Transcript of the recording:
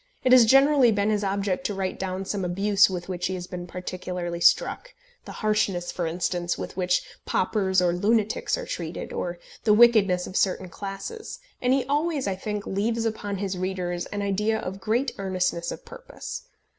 It has generally been his object to write down some abuse with which he has been particularly struck, the harshness, for instance, with which paupers or lunatics are treated, or the wickedness of certain classes, and he always, I think, leaves upon his readers an idea of great earnestness of purpose.